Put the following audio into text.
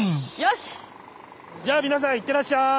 じゃあ皆さん行ってらっしゃい！